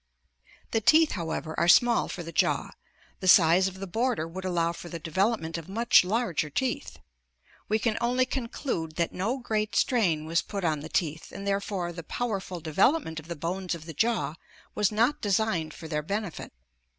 The teeth, how ever, are small for the jaw; the size of the border would allow for the devel opment of much larger teeth. We can only con clude that no great strain was put on the teeth, and therefore the powerful de velopment of the bones of the jaw was not designed for their benefit.